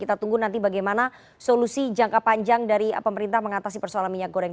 kita tunggu nanti bagaimana solusi jangka panjang dari pemerintah mengatasi persoalan minyak goreng